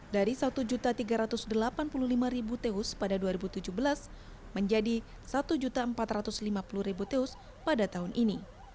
dari satu tiga ratus delapan puluh lima teus pada dua ribu tujuh belas menjadi satu empat ratus lima puluh teus pada tahun ini